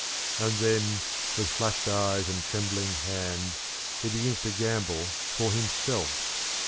And then, with flushed eyes and trembling hand, he begins to gamble for himself.